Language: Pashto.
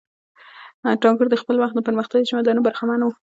ټاګور د خپل وخت د پرمختللی ژوندانه برخمن وو.